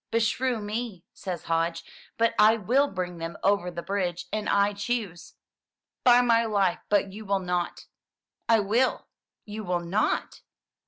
"Beshrew me!" says Hodge, ''but will bring them over the bridge an choose!" "By my life, but you will not!" "I will!" "You will not!"